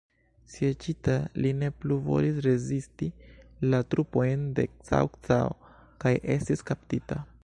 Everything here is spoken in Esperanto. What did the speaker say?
Sieĝita li ne plu povis rezisti la trupojn de Cao Cao kaj estis kaptita.